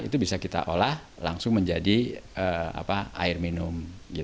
itu bisa kita olah langsung menjadi air minum